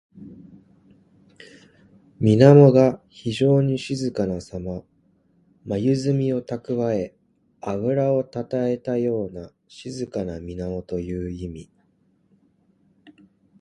水面が非情に静かなさま。まゆずみをたくわえ、あぶらをたたえたような静かな水面という意味。